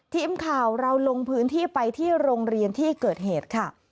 ทีมข่าวเราลงพื้นที่ไปที่โรงเรียนที่เกิดเหตุค่ะ